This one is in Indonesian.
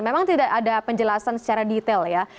memang tidak ada penjelasan secara detail ya